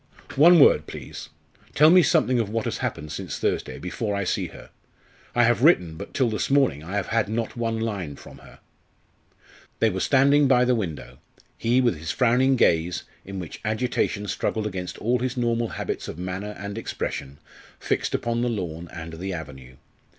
"One word, please. Tell me something of what has happened since Thursday, before I see her. I have written but till this morning I have had not one line from her." They were standing by the window, he with his frowning gaze, in which agitation struggled against all his normal habits of manner and expression, fixed upon the lawn and the avenue.